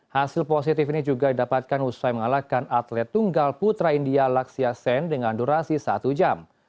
hasil positif ini juga didapatkan usai mengalahkan atlet tunggal putra india laksia sen dengan durasi satu jam